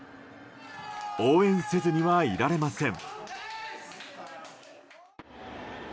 応援せずにはいられません。